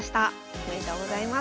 おめでとうございます。